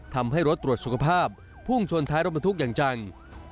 ทำให้รถตรวจสุขภาพพุ่งชนท้ายรถบรรทุกอย่างจัง